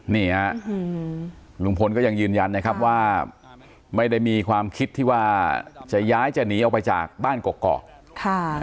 นี่ฮะลุงพลก็ยังยืนยันนะครับว่าไม่ได้มีความคิดที่ว่าจะย้ายจะหนีออกไปจากบ้านกกอกค่ะ